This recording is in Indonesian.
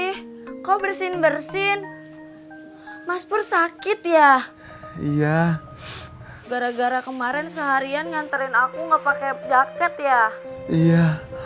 hai mas pur sakit ya iya gara gara kemarin seharian nganterin aku enggak pakai jaket ya iya